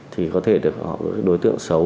thì có thể được đối tượng xấu